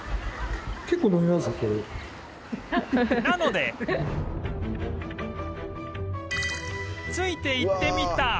なのでついていってみた